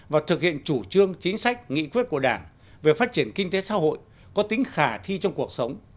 và thực hiện chủ trương chính sách nghị quyết của đảng về phát triển kinh tế xã hội có tính khả thi trong cuộc sống